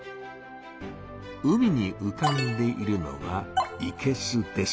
海にうかんでいるのは「いけす」です。